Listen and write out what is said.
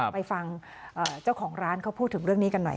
ไปฟังเจ้าของร้านเขาพูดถึงเรื่องนี้กันหน่อย